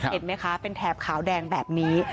เห็นไหมคะเป็นแถบขาวแดงแบบนี้